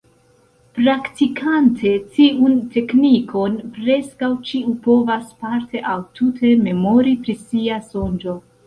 Praktikante tiun teknikon, preskaŭ ĉiu povas parte aŭ tute memori pri sia sonĝo.